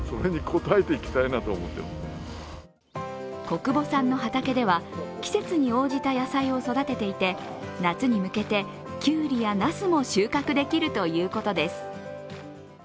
小久保さんの畑では季節に応じた野菜を育てていて夏に向けて、きゅうりやなすも収穫できるということです。